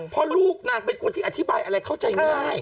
เพราะลูกนางเป็นคนที่อธิบายอะไรเข้าใจง่าย